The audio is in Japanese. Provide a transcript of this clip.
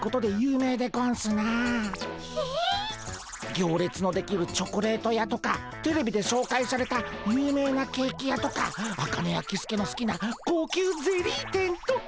行列の出来るチョコレート屋とかテレビで紹介された有名なケーキ屋とかアカネやキスケのすきな高級ゼリー店とか。